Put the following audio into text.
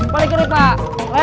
balikin nih pak